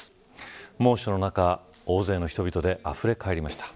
猛暑の中、大勢の人々であふれかえりました。